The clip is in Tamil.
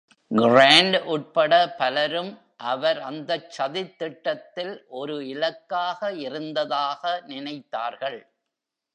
கிராண்ட் உட்பட பலரும், அவர் அந்தச் சதித்திட்டத்தில் ஒரு இலக்காக இருந்ததாக நினைத்தார்கள்.